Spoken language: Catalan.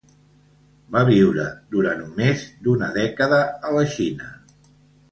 Va viure durant més d'una dècada a la Xina.